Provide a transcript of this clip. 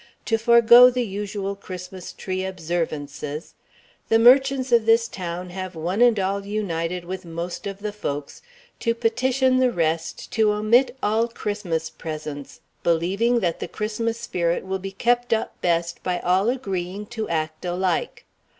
to forego the usual Christmas tree observances, the merchants of this town have one and all united with most of the folks to petition the rest to omit all Christmas presents, believing that the Christmas spirit will be kept up best by all agreeing to act alike.